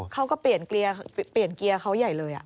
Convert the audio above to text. เขาก็เปลี่ยนเกียร์เขาใหญ่เลย